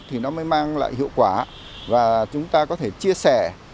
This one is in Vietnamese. thì nó mới mang lại hiệu quả và chúng ta có thể chia sẻ